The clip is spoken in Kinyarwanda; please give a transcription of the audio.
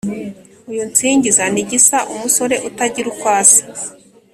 Uyu nsingiza ni Gisa umusore utagira uko asa